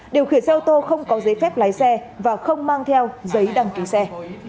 điều khiển xe ô tô không có giấy phép lái xe và không mang theo giấy đăng ký xe